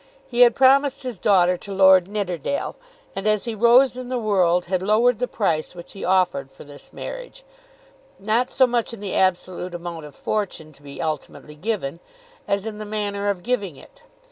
He had promised his daughter to Lord Nidderdale, and as he rose in the world had lowered the price which he offered for this marriage, not so much in the absolute amount of fortune to be ultimately given, as in the manner of giving it.